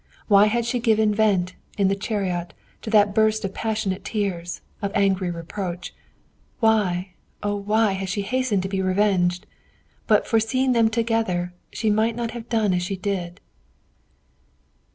Why had she given vent, in the chariot, to that burst of passionate tears, of angry reproach? Why, oh! why had she hastened to be revenged? But for seeing them together, she might not have done as she did.